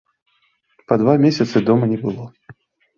Па два месяцы дома не было.